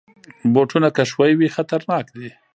بوټونه که ښوی وي، خطرناک دي.